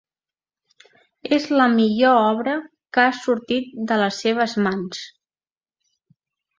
És la millor obra que ha sortit de les seves mans.